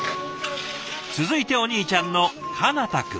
続いてお兄ちゃんの叶大くん。